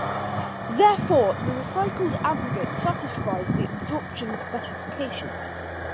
Therefore, the recycled aggregate satisfies the absorption specification.